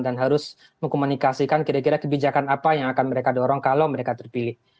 dan harus mengkomunikasikan kira kira kebijakan apa yang akan mereka dorong kalau mereka terpilih